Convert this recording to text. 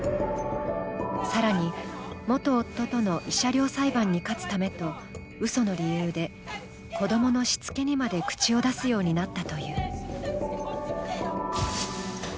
更に元夫との慰謝料裁判に勝つためとうその理由で子供のしつけにまで口を出すようになったという。